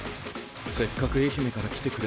せっかく愛媛から来てくれたけど。